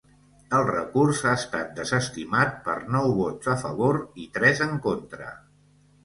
El recurs ha estat desestimat per nou vots a favor i tres en contra.